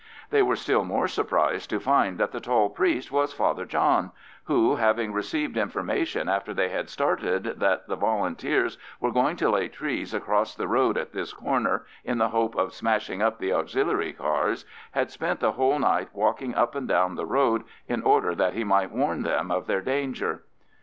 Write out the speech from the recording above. They were still more surprised to find that the tall priest was Father John, who, having received information after they had started that the Volunteers were going to lay trees across the road at this corner in the hope of smashing up the Auxiliary cars, had spent the whole night walking up and down the road in order that he might warn them of their danger.